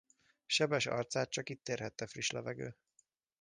Sebes arcát csak itt érhette friss levegő.